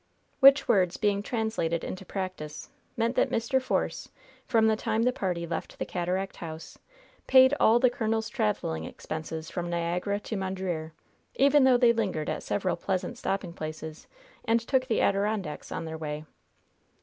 Which words being translated into practice, meant that Mr. Force, from the time the party left the Cataract House, paid all the colonel's traveling expenses from Niagara to Mondreer even though they lingered at several pleasant stopping places and took the Adirondacks on their way.